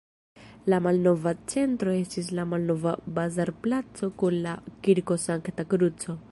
La malnova centro estis la Malnova bazarplaco kun la Kirko Sankta Kruco.